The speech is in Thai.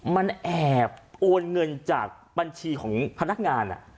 มันแอบโอนเงินจากบัญชีของพนักงาน